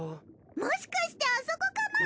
もしかしてあそこかなぁ。